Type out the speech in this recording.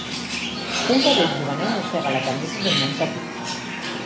Un cadell juganer mossega la camisa d'un nen petit.